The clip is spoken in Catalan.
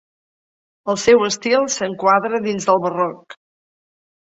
El seu estil s'enquadra dins del barroc.